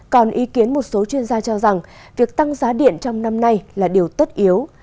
còn ý kiến một số chuyên gia cho rằng việc tăng giá điện trong năm nay là điều tất yếu